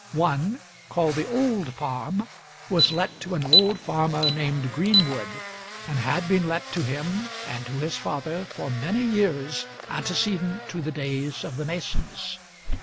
One, called the Old Farm, was let to an old farmer named Greenwood, and had been let to him and to his father for many years antecedent to the days of the Masons.